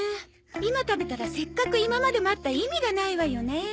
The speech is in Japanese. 今食べたらせっかく今まで待った意味がないわよね。